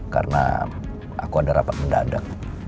karena aku ada rapat mendadak